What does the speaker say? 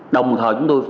đồng thời chúng tôi